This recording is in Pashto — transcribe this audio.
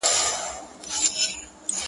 o پاس توتكۍ راپسي مه ږغـوه.